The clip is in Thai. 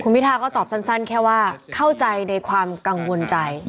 พิทาก็ตอบสั้นแค่ว่าเข้าใจในความกังวลใจ